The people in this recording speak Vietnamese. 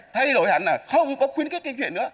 thay đổi hẳn là không có khuyến khích kinh chuyện nữa